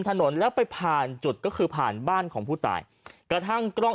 ถนนแล้วไปผ่านจุดก็คือผ่านบ้านของผู้ตายกระทั่งกล้อง